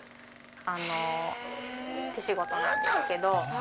あの手仕事なんですけど。